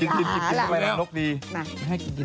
กินกินไปแล้วเดี๋ยวรักนกดี